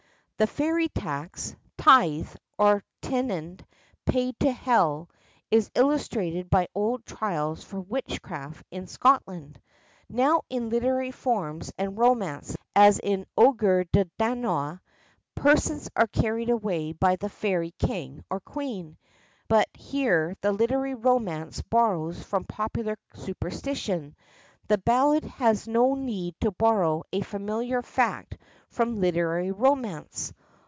The fairy tax, tithe, or teind, paid to Hell, is illustrated by old trials for witchcraft, in Scotland. {0a} Now, in literary forms and romance, as in Ogier le Danois, persons are carried away by the Fairy King or Queen. But here the literary romance borrows from popular superstition; the ballad has no need to borrow a familiar fact from literary romance.